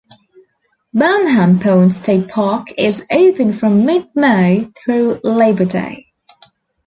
Burnham Point State Park is open from mid-May through Labor Day.